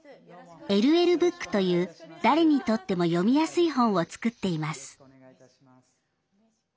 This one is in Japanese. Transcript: ＬＬブックという誰にとっても読みやすい本を作っています。